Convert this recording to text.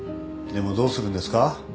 でもどうするんですか？